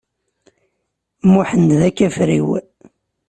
Muḥend d akafriw.